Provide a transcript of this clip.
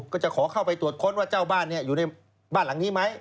ก็จะขอเข้าไปตรวจค้นว่าเจ้าบ้านอยู่ในบ้านหลังนี้ไหม